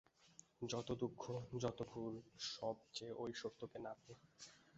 যত দুঃখ যত ভুল সব যে ঐ সত্যকে না পেয়ে।